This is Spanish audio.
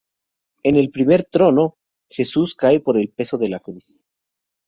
En el primer trono, Jesús cae por el peso de la Cruz.